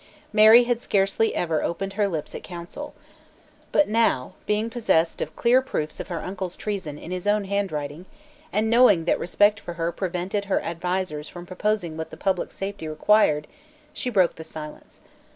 Mary had scarcely ever opened her lips at Council; but now, being possessed of clear proofs of her uncle's treason in his own handwriting, and knowing that respect for her prevented her advisers from proposing what the public safety required, she broke silence.